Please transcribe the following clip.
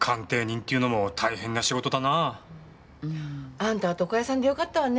あんたは床屋さんでよかったわね。